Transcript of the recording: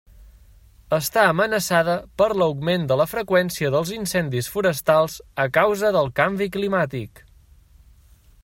Està amenaçada per l'augment de la freqüència dels incendis forestals a causa del canvi climàtic.